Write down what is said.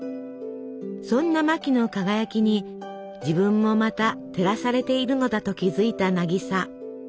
そんなマキの輝きに自分もまた照らされているのだと気付いた渚。